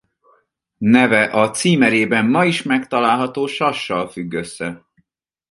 Neve a címerében ma is megtalálható sassal függ össze.